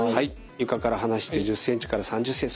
床から離して１０ｃｍから３０ｃｍ。